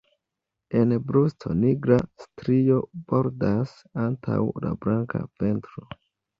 En brusto nigra strio bordas antaŭ la blanka ventro.